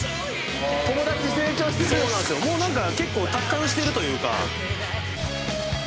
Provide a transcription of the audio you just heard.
「もうなんか結構達観してるというか」